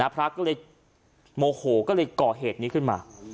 พระก็เลยโมโหก็เลยก่อเหตุนี้ขึ้นมา